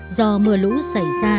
do mưa lũ xảy ra